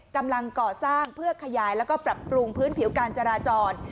กำลังก่อสร้างเพื่อขยายแล้วก็ปรับปรุงพื้นผิวการจราจร